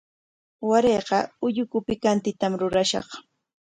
Warayqa ulluku pikantitam rurashaq.